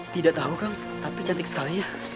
tidak tahu kang tapi cantik sekali ya